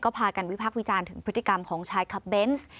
พากันวิพักษ์วิจารณ์ถึงพฤติกรรมของชายขับเบนส์